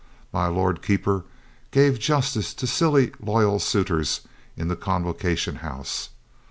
My Lord Keeper gave justice to silly loyal suitors in the Convocation House.